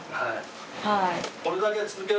はい。